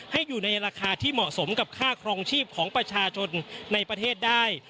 อยู่ในราคาที่เหมาะสมกับค่าครองชีพของประชาชนในประเทศได้